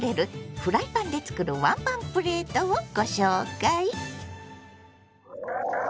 フライパンで作るワンパンプレートをご紹介！